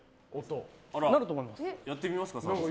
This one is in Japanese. やってみますか？